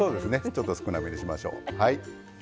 ちょっと少なめにしましょう。